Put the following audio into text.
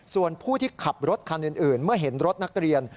ส่วนผู้ที่ขับรถคันอื่นเมื่อเห็นรถนักเรียน